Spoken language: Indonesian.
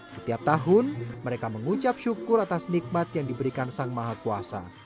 setiap tahun mereka mengucap syukur atas nikmat yang diberikan sang maha kuasa